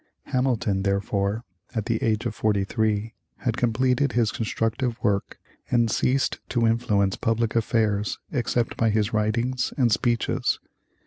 Hamilton, therefore, at the age of forty three, had completed his constructive work and ceased to influence public affairs except by his writings and speeches.